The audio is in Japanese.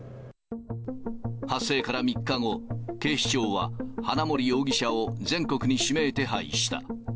発生から３日後、警視庁は、花森容疑者を全国に指名手配した。